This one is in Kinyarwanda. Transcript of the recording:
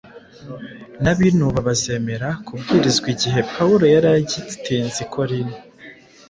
n’abinuba bazemera kubwirizwaIgihe Pawulo yari agitinze i Korinto,